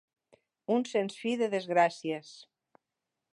Un sens fi de desgràcies.